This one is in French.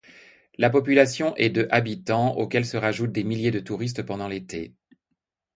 La population est de habitants, auxquels se rajoutent des milliers de touristes pendant l'été.